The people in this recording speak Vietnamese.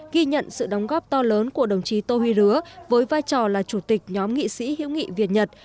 ghi nhận sự đóng góp to lớn của đồng chí tô huy lứa với vai trò là chủ tịch nhóm nghị sĩ hữu nghị việt nhật